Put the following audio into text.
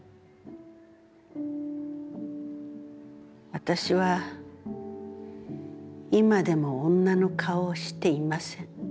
私は今でも、女の顔をしていません。